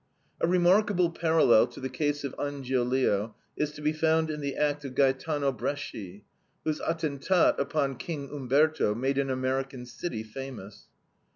A remarkable parallel to the case of Angiolillo is to be found in the act of Gaetano Bresci, whose ATTENTAT upon King Umberto made an American city famous.